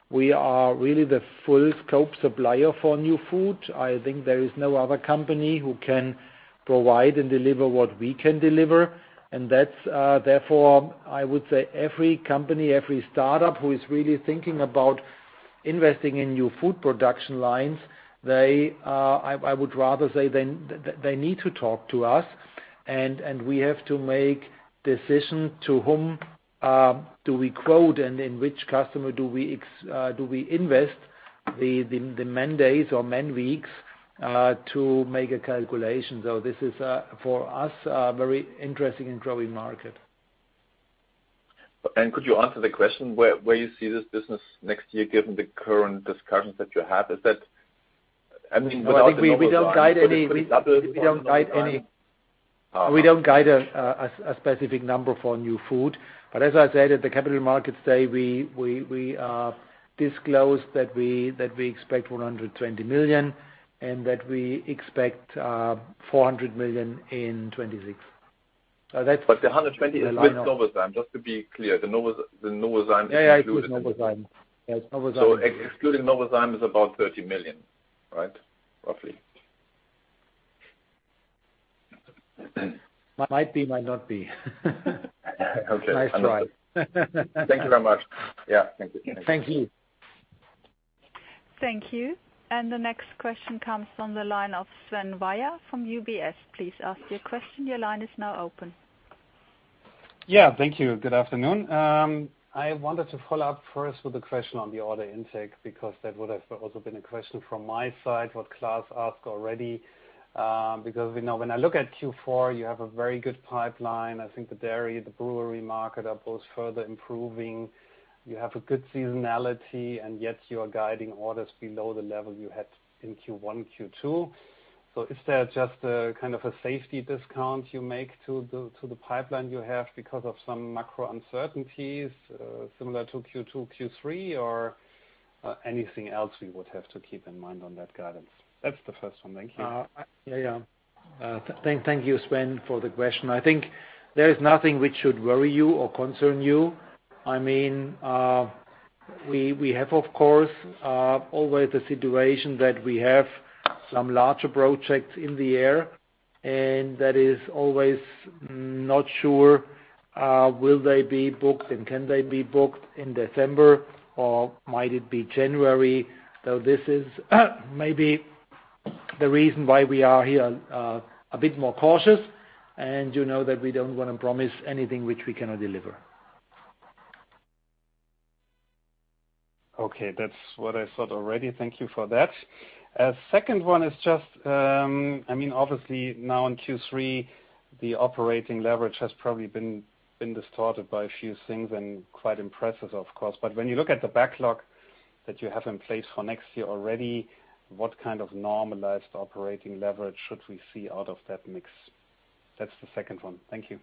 We are really the full scope supplier for New Food. I think there is no other company who can provide and deliver what we can deliver. That's therefore I would say every company, every startup who is really thinking about investing in New Food production lines, they, I would rather say then they need to talk to us and we have to make decisions to whom do we quote and in which customer do we invest the man days or man weeks to make a calculation. This is for us a very interesting and growing market. Could you answer the question where you see this business next year given the current discussions that you have? I mean, without the Novozymes. We don't guide any- Could it double for Novozymes? We don't guide a specific number for New Food. As I said, at the Capital Markets Day, we disclosed that we expect 120 million and that we expect 400 million in 2026. That's 120 is with Novozymes, just to be clear. The Novozymes is included. Yeah. It includes Novozymes. Yes, Novozymes. Excluding Novozymes is about 30 million, right? Roughly. Might be, might not be. Okay. Understood. Nice try. Thank you very much. Yeah. Thank you. Thank you. Thank you. The next question comes from the line of Sven Weier from UBS. Please ask your question. Your line is now open. Yeah, thank you. Good afternoon. I wanted to follow up first with a question on the order intake, because that would have also been a question from my side, what Klas asked already. Because we know when I look at Q4, you have a very good pipeline. I think the dairy, the brewery market are both further improving. You have a good seasonality, and yet you are guiding orders below the level you had in Q1, Q2. So is there just a kind of a safety discount you make to the pipeline you have because of some macro uncertainties, similar to Q2, Q3? Or, anything else we would have to keep in mind on that guidance? That's the first one. Thank you. Yeah, yeah. Thank you, Sven, for the question. I think there is nothing which should worry you or concern you. I mean, we have of course always the situation that we have some larger projects in the air, and that is always not sure, will they be booked and can they be booked in December or might it be January? This is maybe the reason why we are here a bit more cautious and you know that we don't wanna promise anything which we cannot deliver. Okay. That's what I thought already. Thank you for that. Second one is just, I mean, obviously now in Q3, the operating leverage has probably been distorted by a few things and quite impressive, of course. When you look at the backlog that you have in place for next year already, what kind of normalized operating leverage should we see out of that mix? That's the second one. Thank you.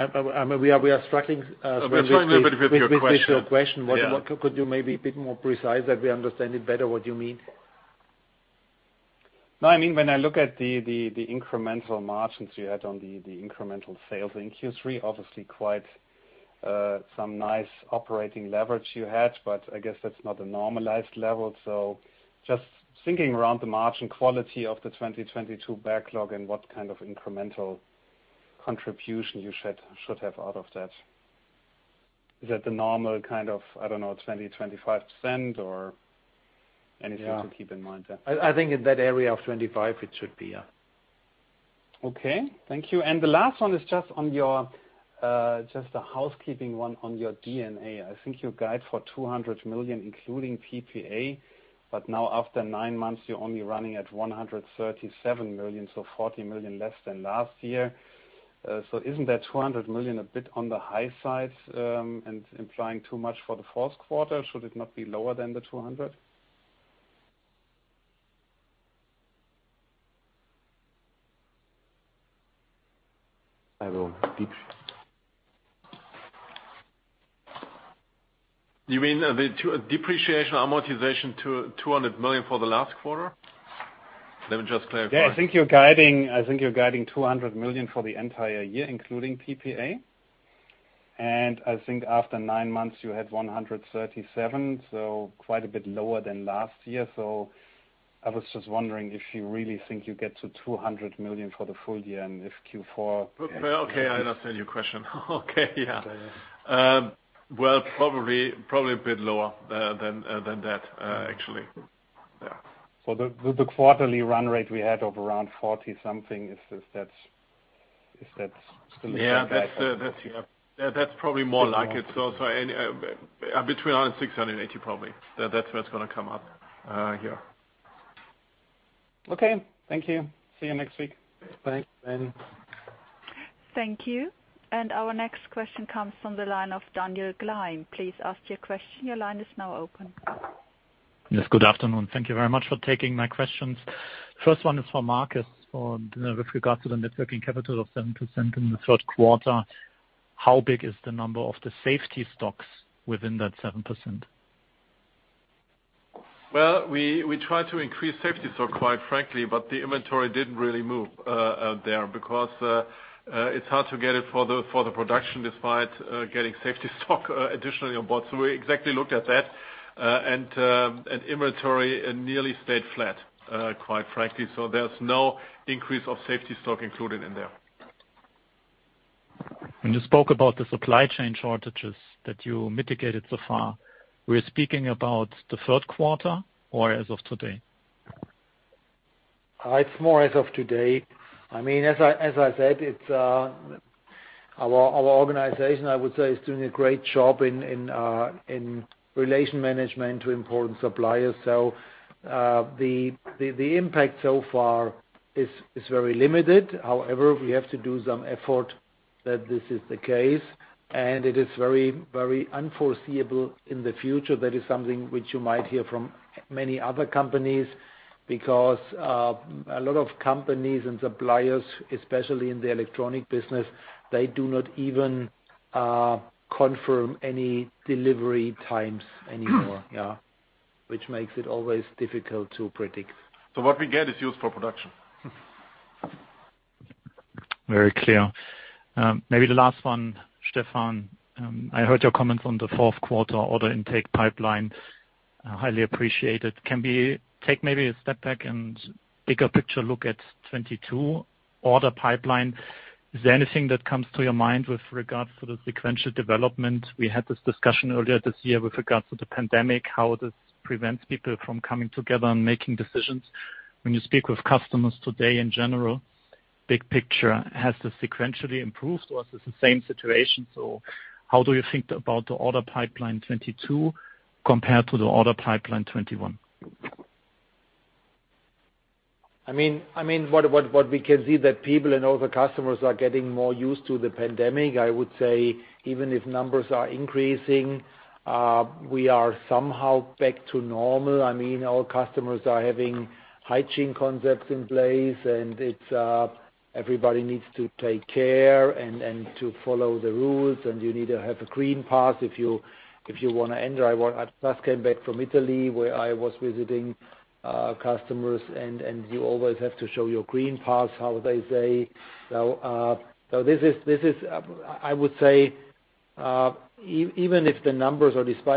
I mean, we are struggling. I'm struggling a little bit with your question. With your question. Yeah. What could you maybe a bit more precise that we understand it better what you mean? No, I mean, when I look at the incremental margins you had on the incremental sales in Q3, obviously quite some nice operating leverage you had, but I guess that's not a normalized level. Just thinking around the margin quality of the 2022 backlog and what kind of incremental contribution you should have out of that. Is that the normal kind of, I don't know, 20%-25% or anything? Yeah. to keep in mind there? I think in that area of 25, it should be, yeah. Okay. Thank you. The last one is just on your just a housekeeping one on your D&A. I think you guide for 200 million, including PPA, but now after 9 months, you're only running at 137 million, so 40 million less than last year. Isn't that 200 million a bit on the high side, and implying too much for the fourth quarter? Should it not be lower than the 200? I will dep- You mean the depreciation and amortization, 200 million for the last quarter? Let me just clarify. Yeah. I think you're guiding 200 million for the entire year, including PPA. I think after nine months you had 137 million, so quite a bit lower than last year. I was just wondering if you really think you get to 200 million for the full year and if Q4- Okay. I understand your question. Okay. Yeah. Well, probably a bit lower than that, actually. Yeah. The quarterly run rate we had of around 40-something is that still the same? Yeah. That's probably more like it. Anyway, between 600 and 680 probably. That's what's gonna come up here. Okay. Thank you. See you next week. Thanks. Thanks. Thank you. Our next question comes from the line of Daniel Gleim. Please ask your question. Your line is now open. Yes, good afternoon. Thank you very much for taking my questions. First one is for Marcus on net working capital of 7% in the third quarter. How big is the number of the safety stocks within that 7%? Well, we try to increase safety stock, quite frankly, but the inventory didn't really move there because it's hard to get it for the production despite getting safety stock additionally on board. We exactly looked at that, and inventory nearly stayed flat, quite frankly. There's no increase of safety stock included in there. When you spoke about the supply chain shortages that you mitigated so far, we're speaking about the third quarter or as of today? It's more as of today. I mean, as I said, it's our organization, I would say, is doing a great job in relation management to important suppliers. The impact so far is very limited. However, we have to do some effort that this is the case, and it is very, very unforeseeable in the future. That is something which you might hear from many other companies because a lot of companies and suppliers, especially in the electronic business, they do not even confirm any delivery times anymore. Yeah. Which makes it always difficult to predict. What we get is used for production. Very clear. Maybe the last one, Stefan. I heard your comments on the fourth quarter order intake pipeline. I highly appreciate it. Can we take maybe a step back and bigger picture look at 2022 order pipeline? Is there anything that comes to your mind with regards to the sequential development? We had this discussion earlier this year with regards to the pandemic, how this prevents people from coming together and making decisions. When you speak with customers today in general, big picture, has this sequentially improved, or is this the same situation? How do you think about the order pipeline 2022 compared to the order pipeline 2021? I mean, what we can see that people and all the customers are getting more used to the pandemic. I would say even if numbers are increasing, we are somehow back to normal. I mean, our customers are having hygiene concepts in place and it's, everybody needs to take care and to follow the rules, and you need to have a green pass if you wanna enter. I just came back from Italy, where I was visiting, customers and you always have to show your green pass, how they say. This is, I would say, despite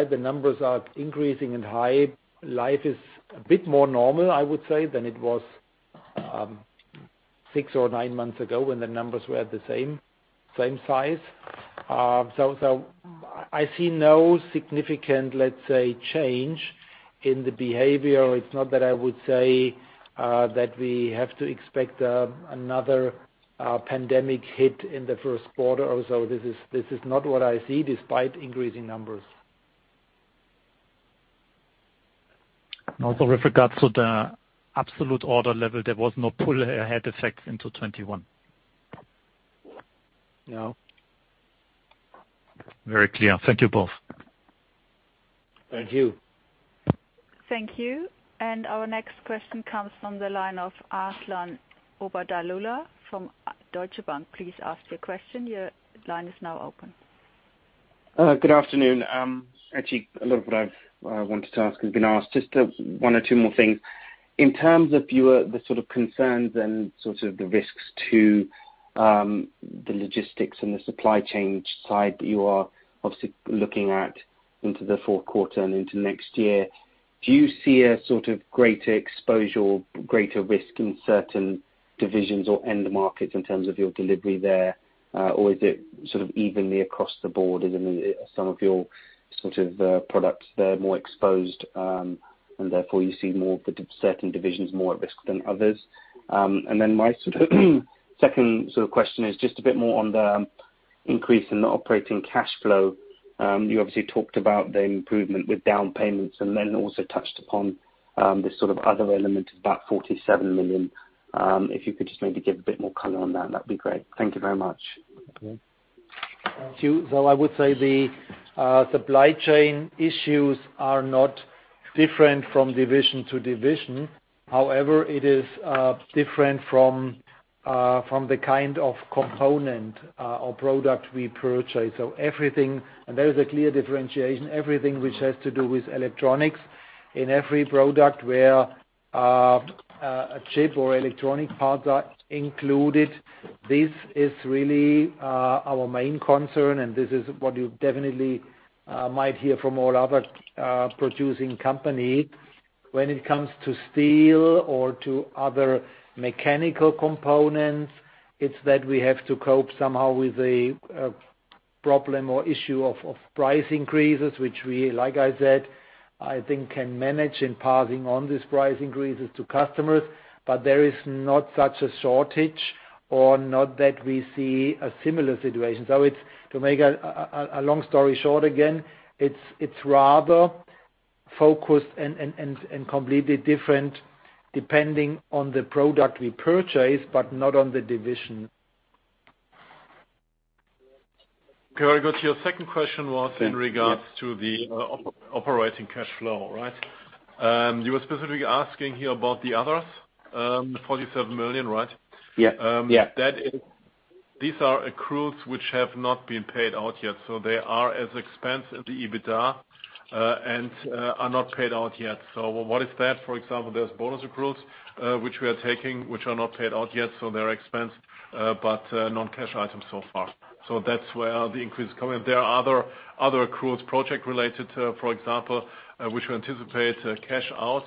the numbers are increasing and high, life is a bit more normal, I would say, than it was six or nine months ago when the numbers were at the same size. I see no significant, let's say, change in the behavior. It's not that I would say that we have to expect another pandemic hit in the first quarter or so. This is not what I see despite increasing numbers. Also with regards to the absolute order level, there was no pull ahead effect into 2021. No. Very clear. Thank you both. Thank you. Thank you. Our next question comes from the line of Aslan Obadalola from Deutsche Bank. Please ask your question. Your line is now open. Good afternoon. Actually, a lot of what I've wanted to ask has been asked, just one or two more things. In terms of the sort of concerns and sort of the risks to the logistics and the supply chain side that you are obviously looking at into the fourth quarter and into next year, do you see a sort of greater exposure or greater risk in certain divisions or end markets in terms of your delivery there? Is it sort of evenly across the board? Is it some of your sort of products that are more exposed, and therefore you see more of the certain divisions more at risk than others? My sort of second sort of question is just a bit more on the increase in operating cash flow. You obviously talked about the improvement with down payments and then also touched upon the sort of other element, about 47 million. If you could just maybe give a bit more color on that'd be great. Thank you very much. Thank you. I would say the supply chain issues are not different from division to division. However, it is different from the kind of component or product we purchase. There is a clear differentiation. Everything which has to do with electronics in every product where a chip or electronic parts are included, this is really our main concern and this is what you definitely might hear from all other producing company. When it comes to steel or to other mechanical components, it's that we have to cope somehow with a problem or issue of price increases, which we, like I said, I think can manage in passing on these price increases to customers. There is not such a shortage or not that we see a similar situation. It's to make a long story short again, it's rather focused and completely different depending on the product we purchase, but not on the division. Okay. I'll go to your second question. Yes. In regards to the operating cash flow, right? You were specifically asking here about the others EUR 47 million, right? Yeah, yeah. These are accruals which have not been paid out yet, so they are an expense in the EBITDA, and are not paid out yet. What is that? For example, there's bonus accruals, which we are taking, which are not paid out yet, so they're an expense, but non-cash items so far. That's where the increase is coming. There are other accruals, project related, for example, which we anticipate cash out,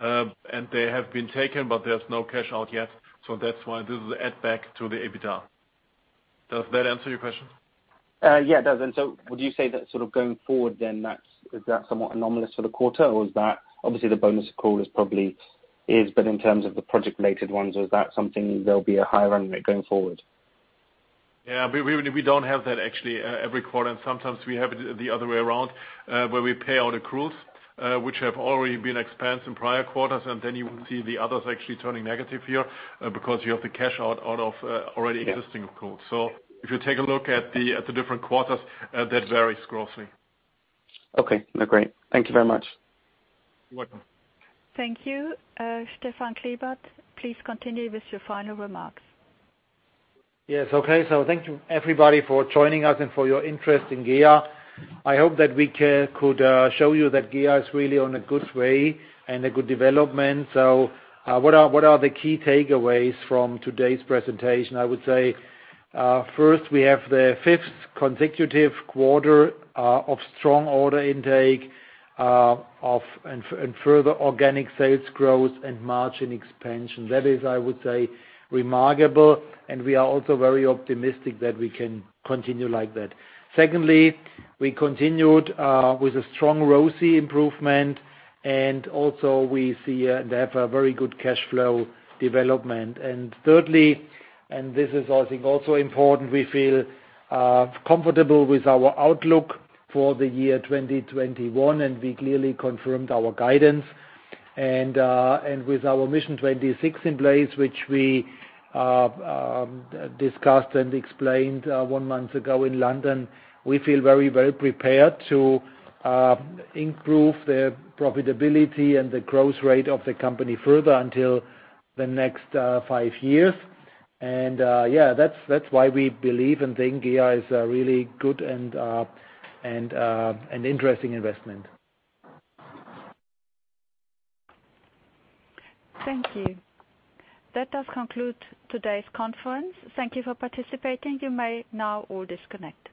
and they have been taken, but there's no cash out yet. That's why this is added back to the EBITDA. Does that answer your question? Yeah, it does. Would you say that sort of going forward then that's, is that somewhat anomalous for the quarter? Or is that obviously the bonus accrual is probably, but in terms of the project related ones, is that something there'll be a higher end rate going forward? We don't have that actually every quarter. Sometimes we have it the other way around, where we pay out accruals, which have already been expensed in prior quarters, and then you see the others actually turning negative here, because you have the cash out of already existing accruals. Yeah. If you take a look at the different quarters, that varies grossly. Okay. No, great. Thank you very much. Welcome. Thank you. Stefan Klebert, please continue with your final remarks. Yes. Okay. Thank you everybody for joining us and for your interest in GEA. I hope that we could show you that GEA is really on a good way and a good development. What are the key takeaways from today's presentation? I would say first, we have the fifth consecutive quarter of strong order intake of and further organic sales growth and margin expansion. That is, I would say, remarkable, and we are also very optimistic that we can continue like that. Secondly, we continued with a strong ROCE improvement, and also we see they have a very good cash flow development. Thirdly, and this is I think also important, we feel comfortable with our outlook for the year 2021, and we clearly confirmed our guidance. With our Mission 26 in place, which we discussed and explained one month ago in London, we feel very, very prepared to improve the profitability and the growth rate of the company further until the next five years. Yeah, that's why we believe and think GEA is a really good and an interesting investment. Thank you. That does conclude today's conference. Thank you for participating. You may now all disconnect.